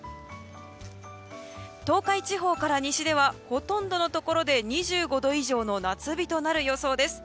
東海地方から西ではほとんどのところで２５度以上の夏日となる予想です。